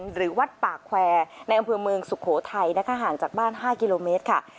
หรือวัดปากแควร์ในอำเภอเมืองสุโขทัยนะคะห่างจากบ้าน๕กิโลเมตรค่ะ